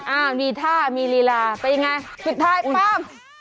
อ้าวมีท่ามีลีลาไปยังไงสุดท้ายครับ